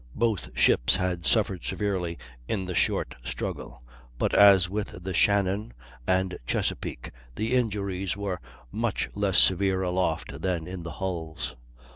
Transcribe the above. ] Both ships had suffered severely in the short struggle; but, as with the Shannon and Chesapeake, the injuries were much less severe aloft than in the hulls.